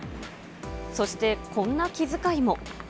そしてこんな気遣いも。